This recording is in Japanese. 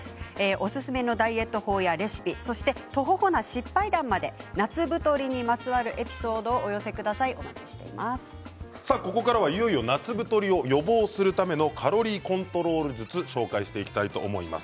おすすめのダイエット法やレシピ、とほほな失敗談まで夏太りにまつわるエピソードをここからは、いよいよ夏太りを予防するためのカロリーコントロール術を紹介します。